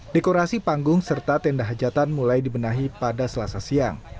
dekorasi panggung serta tenda hajatan mulai dibenahi pada selasa siang